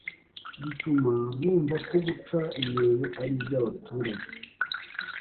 bituma numva ko guca imyeyo ari iby’ abaturage.